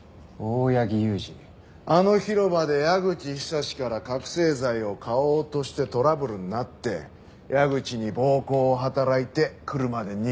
あの広場で矢口久志から覚醒剤を買おうとしてトラブルになって矢口に暴行を働いて車で逃げたんだよ。